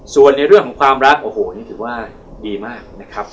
ส่วนในเรื่องของความรักโอ้โหนี่ถือว่าดีมากนะครับ